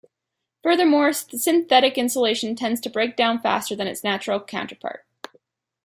Furthermore, synthetic insulation tends to break down faster than its natural counterpart.